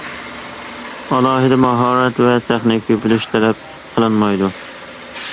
ئالاھىدە ماھارەت ۋە تېخنىكا بىلىش تەلەپ قىلىنمايدۇ.